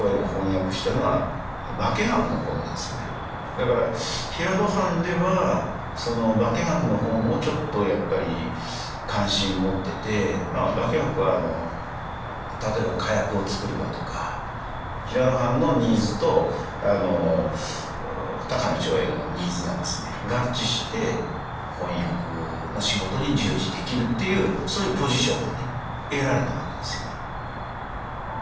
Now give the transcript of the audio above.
だから平戸藩ではその化学の本をちょっとやっぱり関心持ってて化学は例えば火薬を作るだとか平戸藩のニーズと高野長英のニーズが合致して翻訳の仕事に従事できるっていうそういうポジションが得られたわけですよね。